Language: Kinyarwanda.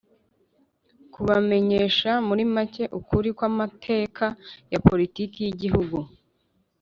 kubamenyesha muri make ukuri kw'amateka ya politiki y'igihugu